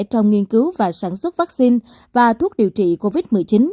trong nghiên cứu và sản xuất vaccine và thuốc điều trị covid một mươi chín